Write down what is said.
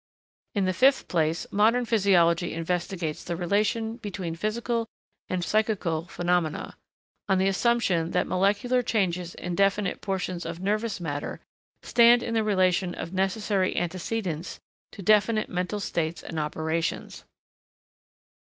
In the fifth place, modern physiology investigates the relation between physical and psychical phenomena, on the assumption that molecular changes in definite portions of nervous matter stand in the relation of necessary antecedents to definite mental states and operations.